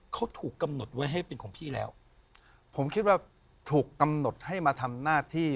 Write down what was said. เขาถูกกำหนดไว้ให้เป็นของพี่แล้วผมคิดว่าถูกกำหนดให้มาทำหน้าที่